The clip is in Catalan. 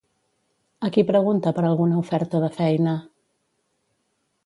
A qui pregunta per alguna oferta de feina?